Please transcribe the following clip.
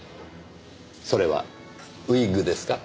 それはウイッグですか？